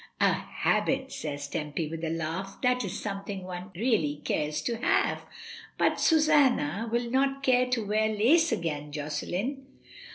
"A habit!" says Tempy, with a laugh, "that is something one really cares to have; but Susanna will not care to wear lace again, Josselin."